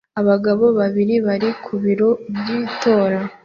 Abagabo babiri bari ku biro by'itora